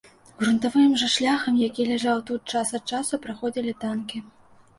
Грунтавым жа шляхам, які ляжаў тут, час ад часу праходзілі танкі.